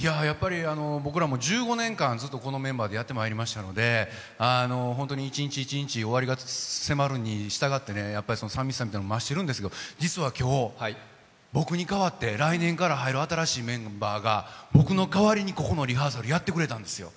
僕らも１５年間ずっとこのメンバーでやってまいりましたので、一日一日終わりが迫るにしたがって、寂しさみたいなものも増してるんですけれども実は今日、僕に代わって来年から入る新しいメンバーが、僕の代わりにここのリハーサルやってくれたんですよ。